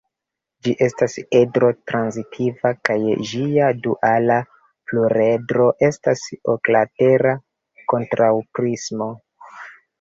Ĝi estas edro-transitiva kaj ĝia duala pluredro estas oklatera kontraŭprismo.